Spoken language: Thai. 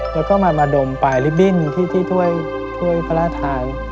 แล้วก็มาดมพลายลิฟต์บินที่ต้วยพระราทาง